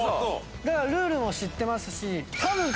だからルールも知ってますし。